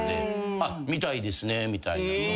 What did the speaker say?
「みたいですね」みたいな。